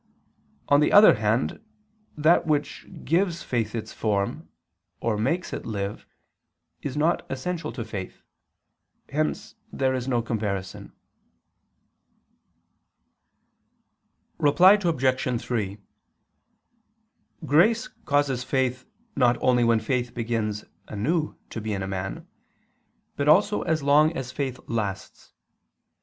On the other hand that which gives faith its form, or makes it live, is not essential to faith. Hence there is no comparison. Reply Obj. 3: Grace causes faith not only when faith begins anew to be in a man, but also as long as faith lasts.